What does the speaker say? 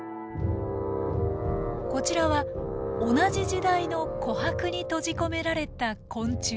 こちらは同じ時代の琥珀に閉じ込められた昆虫。